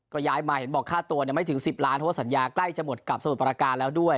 ก็ย้ายมาเห็นบอกค่าตัวไม่ถึง๑๐ล้านเพราะว่าสัญญาใกล้จะหมดกับสมุทรประการแล้วด้วย